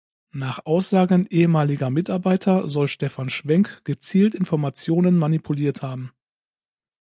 Nach Aussagen ehemaliger Mitarbeiter soll Stephan Schwenk gezielt Informationen manipuliert haben.